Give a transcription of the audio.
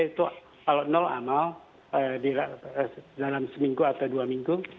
jadi itu kalau amal dalam seminggu atau dua minggu